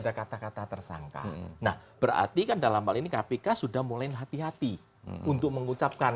ada kata kata tersangka nah berarti kan dalam hal ini kpk sudah mulai hati hati untuk mengucapkan